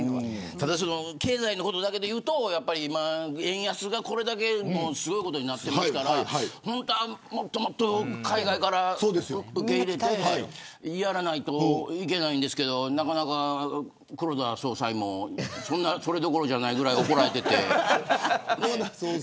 ただ、経済のことだけでいうと円安がすごいことになっていますから本当はもっと海外から受け入れてやらないといけないですけれど黒田総裁も、それどころじゃないぐらい怒られていて。